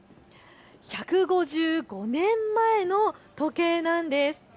１５５年前の時計なんです。